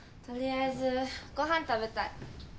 取りあえずご飯食べたい。